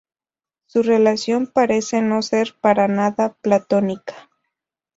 Su relación parece no ser para nada platónica.